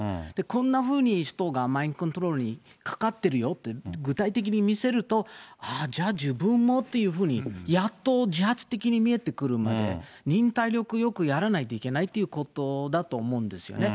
こんなふうに人がマインドコントロールにかかってるよって具体的に見せると、あぁ、じゃあ、自分もというふうに、やっと自発的に見えてくるまで、忍耐力よくやらないといけないっていうことだと思うんですよね。